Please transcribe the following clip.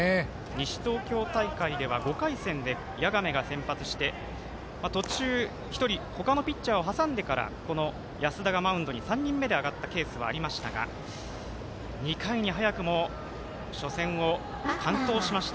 西東京大会では谷亀が先発して途中１人ピッチャーを挟んでから、谷亀が３人目で上がったケースもありましたが２回に早くも初戦を完投しました